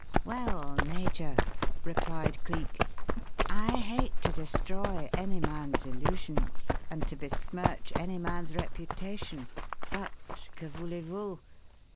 "Well, Major," replied Cleek, "I hate to destroy any man's illusions and to besmirch any man's reputation, but que voulez vous?